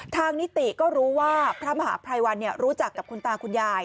ทางนิติก็รู้ว่าพระมหาพรายวันเนี่ยรู้จักกับคุณตาคุณยาย